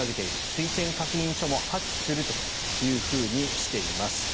推薦確認書も破棄するというふうにしています。